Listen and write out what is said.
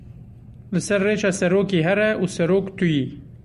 Li ser rêça serokî here û serok tu yî.